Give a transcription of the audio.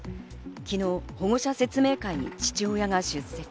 昨日、保護者説明会に父親が出席。